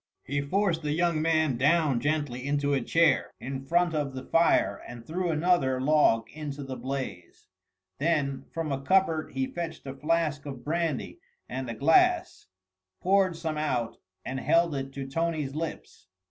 He forced the young man down gently into a chair in front of the fire and threw another log into the blaze. Then from a cupboard he fetched a flask of brandy and a glass, poured some out and held it to Tony's lips.